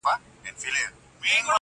ما پرون د ګل تصویر جوړ کړ ته نه وې!.